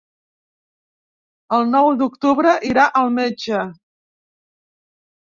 El nou d'octubre irà al metge.